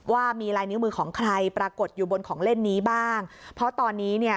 ว่ามีลายนิ้วมือของใครปรากฏอยู่บนของเล่นนี้บ้างเพราะตอนนี้เนี่ย